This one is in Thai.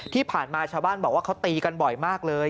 ที่ผ่านมาชาวบ้านบอกว่าเขาตีกันบ่อยมากเลย